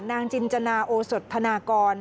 นางจินจนาโอสดธนากร